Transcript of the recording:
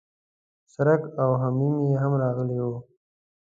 څرک او صمیم هم راغلي و.